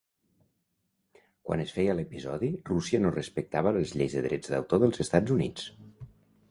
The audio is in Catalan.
Quan es feia l'episodi, Rússia no respectava les lleis de drets d'autor dels Estats Units.